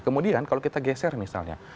kemudian kalau kita geser misalnya